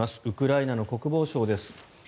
ウクライナの国防省です。